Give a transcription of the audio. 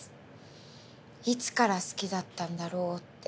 いつから好きだったんだろうって。